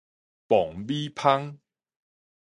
磅米芳